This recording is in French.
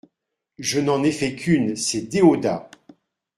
Je n'en ai fait qu'une : c'est Déodat.